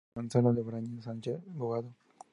Hijo de Gonzalo Brañas Sánchez-Boado.